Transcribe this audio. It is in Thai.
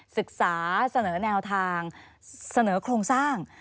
ศึกษาเสนอแนวทางเสนอโครงสร้าง